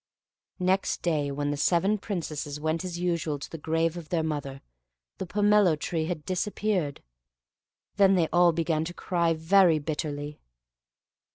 Next day, when the seven Princesses went as usual to the grave of their mother, the pomelo tree had disappeared. Then they all began to cry very bitterly.